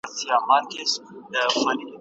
هغه پوليس چي د پېښې ځای ته ورغی ډېر تکړه و.